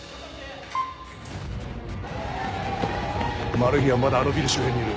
・マルヒはまだあのビル周辺にいる。